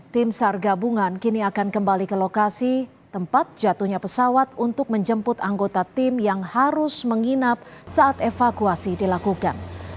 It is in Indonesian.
tim sar gabungan kini akan kembali ke lokasi tempat jatuhnya pesawat untuk menjemput anggota tim yang harus menginap saat evakuasi dilakukan